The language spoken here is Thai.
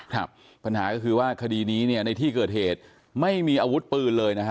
ครับปัญหาก็คือว่าคดีนี้เนี่ยในที่เกิดเหตุไม่มีอาวุธปืนเลยนะฮะ